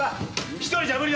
一人じゃ無理だわ。